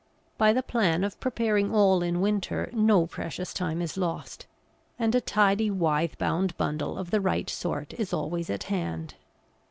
By the plan of preparing all in winter no precious time is lost, and a tidy withe bound bundle of the right sort is always at hand.